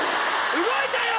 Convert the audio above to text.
⁉動いたよ！